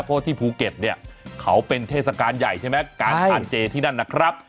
เพราะที่ภูเก็ตเนี่ยเขาเป็นเทศกาลใหญ่ใช่ไหมการทานเจที่นั่นนะครับ